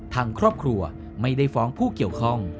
ทางครอบครัวไม่ได้ฟ้องผู้เกี่ยวข้อง